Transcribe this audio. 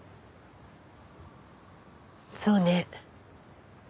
そうね。